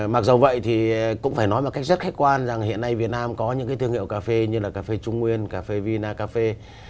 mặc dù vậy thì cũng phải nói một cách rất khách quan rằng hiện nay việt nam có những cái thương hiệu cà phê như là cà phê trung nguyên cà phê vina cà phê